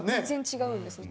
全然違うんですね。